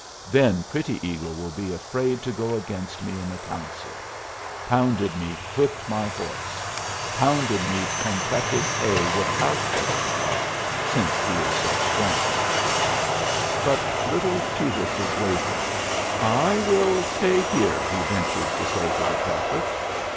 Then Pretty Eagle will be afraid to go against me in the council. Pounded Meat whipped my horse. Pounded Meat can cut his hay without Cheschapah, since he is so strong." But little Two Whistles wavered. "I will stay here," he ventured to say to the prophet.